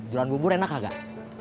jualan bubur enak kagak